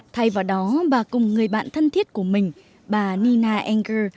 thay vào đó bà cùng người bạn thân thiết của mình bà nina enger